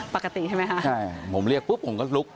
ปกติใช่ไหมคะใช่ผมเรียกปุ๊บผมก็ลุก